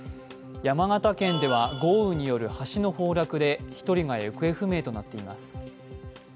山形県では豪雨による橋の崩落で１人が行方不明となっています。